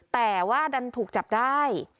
แต่ว่าดันถูกจับได้